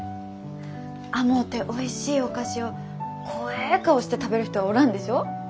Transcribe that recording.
甘うておいしいお菓子を怖え顔して食べる人はおらんでしょう。